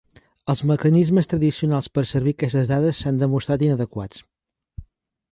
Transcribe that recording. Els mecanismes tradicionals per servir aquestes dades s'han demostrar inadequats.